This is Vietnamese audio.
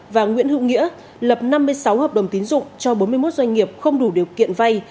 và nguyễn hữu nghĩa lập năm mươi sáu hợp đồng tín dụng cho bốn mươi một doanh nghiệp không đủ điều kiện vay